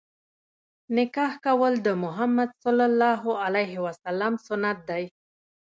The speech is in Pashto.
نکاح کول د مُحَمَّد ﷺ سنت دی.